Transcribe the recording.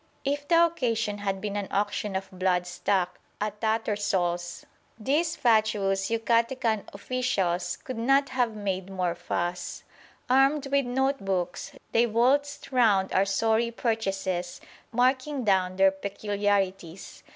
If the occasion had been an auction of blood stock at Tattersall's these fatuous Yucatecan officials could not have made more fuss. Armed with note books they waltzed round our sorry purchases, marking down their peculiarities.